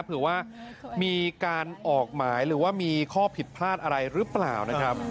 เผื่อว่ามีการออกหมายหรือว่ามีข้อผิดพลาดอะไรหรือเปล่านะครับ